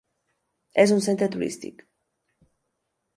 És un centre turístic.